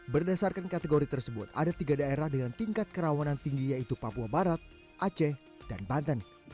berdasarkan kategori tersebut ada tiga daerah dengan tingkat kerawanan tinggi yaitu papua barat aceh dan banten